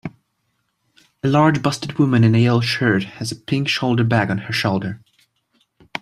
A large busted woman in a yellow shirt has a pink shoulder bag on her shoulder